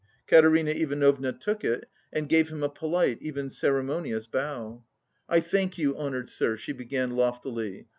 Katerina Ivanovna took it and gave him a polite, even ceremonious, bow. "I thank you, honoured sir," she began loftily.